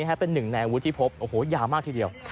ในอาวุธที่พบโอ้โหยามากทีเดียว